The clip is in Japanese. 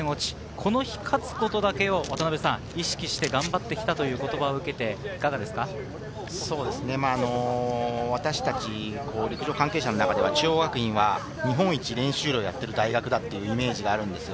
この日、勝つことだけを意識して頑張ってきたとい私たち陸上関係者の中では中央学院は日本一の練習量というイメージがあります。